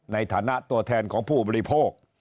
ในฐานะตัวแทนของผู้บริโภค